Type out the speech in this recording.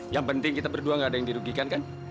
yang penting kita berdua gak ada yang dirugikan kan